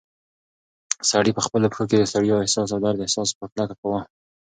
سړی په خپلو پښو کې د ستړیا او درد احساس په کلکه کاوه.